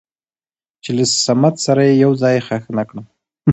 چې له صمد سره يې يو ځاى خښ نه کړم.